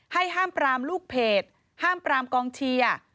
ห้ามปรามลูกเพจห้ามปรามกองเชียร์